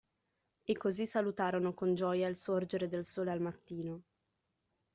E così salutarono con gioia il sorgere del Sole al mattino.